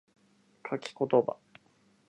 書き言葉